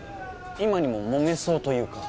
今にも揉めそうというか。